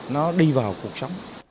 nó đi vào cuộc sống